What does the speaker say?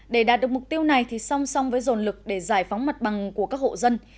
để đạt được mục tiêu này thì song song với dồn lực để giải phóng mặt bằng của các hộ dân